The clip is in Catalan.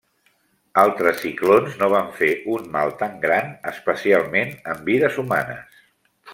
Altres ciclons no van fer un mal tan gran especialment en vides humanes.